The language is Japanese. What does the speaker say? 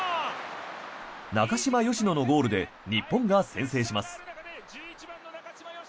中嶋淑乃のゴールで日本が先制します。